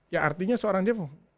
ya artinya seorang jeff